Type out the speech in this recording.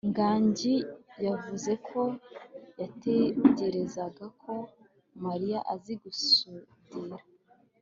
nganji yavuze ko yatekerezaga ko mariya azi gusudira